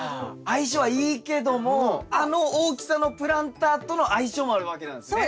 相性はいいけどもあの大きさのプランターとの相性もあるわけなんですね。